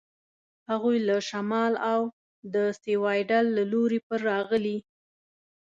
هغوی له شمال او د سیوایډل له لوري پر راغلي.